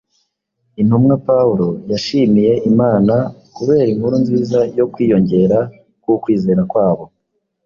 intumwa Pawulo yashimiye Imana kubera inkuru nziza yo kwiyongera k’ukwizera kwabo.